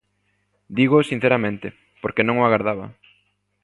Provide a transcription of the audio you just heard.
Dígoo sinceramente porque non o agardaba.